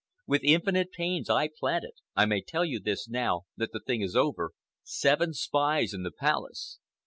With infinite pains I planted—I may tell you this now that the thing is over—seven spies in the Palace.